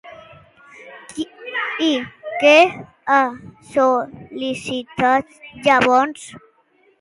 I què ha sol·licitat, llavors?